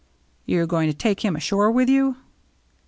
You're going to take him ashore with you?"